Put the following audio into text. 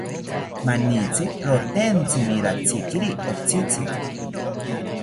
Manitzi rotentzimi ratzikiri otzitzi